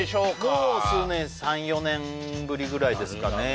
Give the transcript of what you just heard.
もう数年３４年ぶりぐらいですかね